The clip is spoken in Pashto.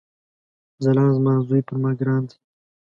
ځلاند زما ځوي پر ما ګران دی